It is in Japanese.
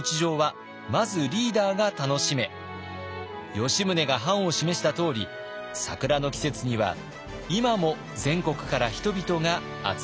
吉宗が範を示したとおり桜の季節には今も全国から人々が集まってきます。